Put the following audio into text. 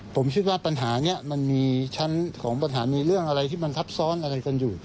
ผมคิดว่าปัญหานี้มันมีชั้นของปัญหามีเรื่องอะไรที่มันทับซ้อนอะไรกันอยู่